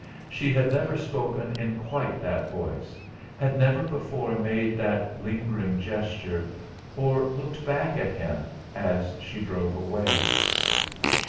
She had never spoken in quite that voice, had never before made that lingering gesture or looked back at him as she drove away.